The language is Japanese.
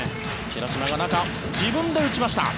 寺嶋が中自分で打ちました。